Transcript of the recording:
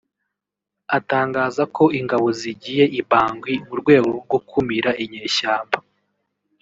atangaza ko ingabo zigiye i Bangui mu rwego rwo gukumira inyeshyamba